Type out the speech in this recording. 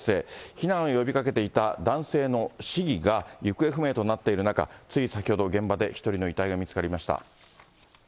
避難を呼びかけていた男性の市議が行方不明となっている中、つい先ほど、現場で１人の遺体が見つかりました。